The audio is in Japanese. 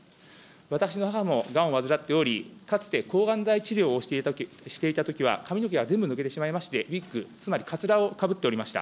私の母もがんを患っており、かつて抗がん剤治療をしていたときは、髪の毛が全部抜けてしまいまして、ウィッグ、つまりかつらをかぶっておりました。